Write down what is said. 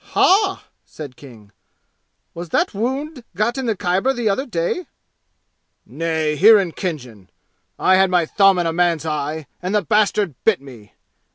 "Hah!" said King. "Was that wound got in the Khyber the other day?" "Nay. Here in Khinjan. I had my thumb in a man's eye, and the bastard bit me!